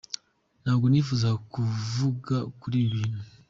Ntabwo nifuzaga kuvuga kuri ibi bintu.